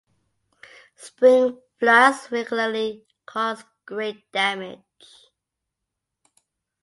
Spring floods regularly caused great damage.